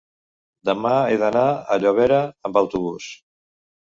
demà he d'anar a Llobera amb autobús.